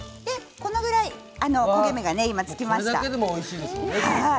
このぐらい焦げ目が今つきました。